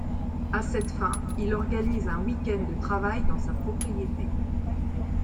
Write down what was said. À cette fin, il organise un week-end de travail dans sa propriété.